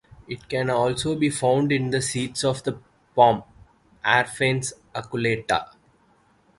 It can also be found in the seeds of the palm "Aiphanes aculeata".